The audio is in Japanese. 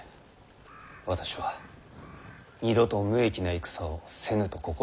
私は二度と無益な戦をせぬと心に決めております。